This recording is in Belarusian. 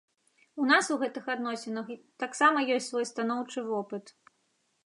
У нас у гэтых адносінах таксама ёсць свой станоўчы вопыт.